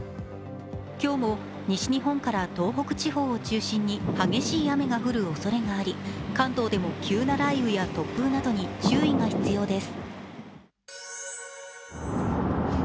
今日も西日本から東北地方を中心に激しい雨が降るおそれがあり関東でも急な雷雨や突風などに注意が必要です。